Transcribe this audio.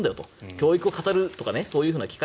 教育を語るとかそういう機会